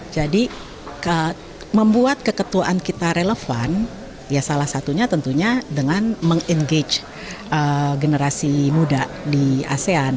jadi membuat keketuaan kita relevan salah satunya tentunya dengan meng engage generasi muda di asean